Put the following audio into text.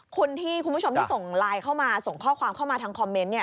คุณผู้ชมที่ส่งไลน์เข้ามาส่งข้อความเข้ามาทางคอมเมนต์เนี่ย